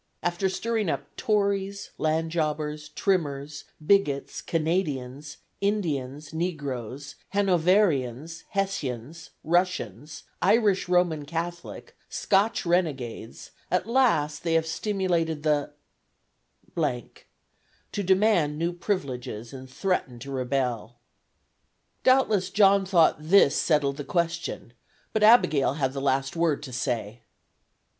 After stirring up Tories, land jobbers, trimmers, bigots, Canadians, Indians, negroes, Hanoverians, Hessians, Russians, Irish Roman Catholic, Scotch renegades, at last they have stimulated the to demand new privileges and threaten to rebel." Doubtless John thought this settled the question; but Abigail had the last word to say.